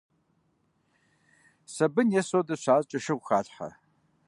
Сабын е содэ щащӀкӀэ, шыгъу халъхьэ.